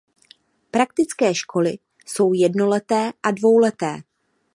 Praktické školy jsou jednoleté a dvouleté.